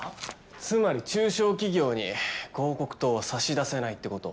つまり中小企業に広告塔は差し出せないってこと？